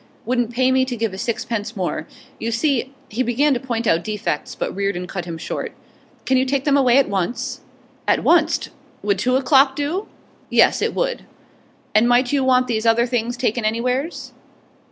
'Wouldn't pay me to give a sixpence more. You see ' He began to point out defects, but Reardon cut him short. 'Can you take them away at once?' 'At wunst? Would two o'clock do?' 'Yes, it would.' 'And might you want these other things takin' anywheres?